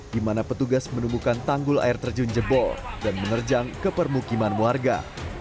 di mana petugas menemukan tanggul air terjun jebol dan menerjang ke permukiman warga